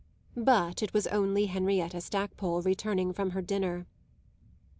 But it was only Henrietta Stackpole returning from her dinner.